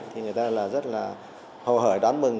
thì người ta là rất là hầu hởi đáng mừng